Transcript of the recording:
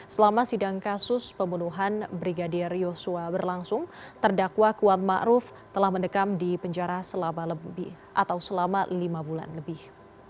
selama sidang kasus pembunuhan brigadier yosua berlangsung terdakwa kuat ma'ruf telah mendekam di penjara selama lima bulan lebih